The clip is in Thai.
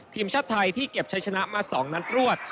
ทีมชาติไทยที่เก็บใช้ชนะมา๒นัดรวด